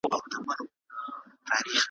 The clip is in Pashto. هم په دام کي وه دانه هم غټ ملخ وو `